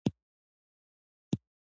آیا د ایران باغونه ځانګړی ډیزاین نلري؟